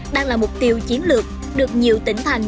đang là mục tiêu chiến lược được nhiều tỉnh thành